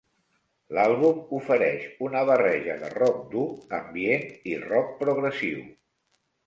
L'àlbum ofereix una barreja de rock dur, ambient i rock progressiu.